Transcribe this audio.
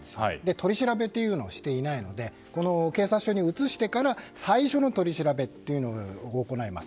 取り調べをしていないので警察署に移してから最初の取り調べを行います。